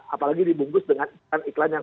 apalagi dibungkus dengan iklan iklan yang